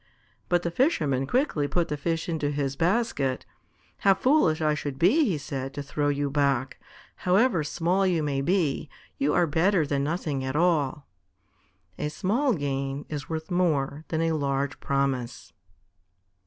But the Fisherman quickly put the fish into his basket. "How foolish I should be," he said, "to throw you back. However small you may be, you are better than nothing at all." _A small gain is worth more than a large promise.